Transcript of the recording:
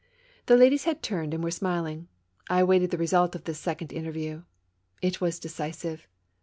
The ladies had turned and were smiling. I awaited the result of this second interview. It was decisive.